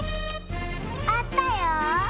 あったよ。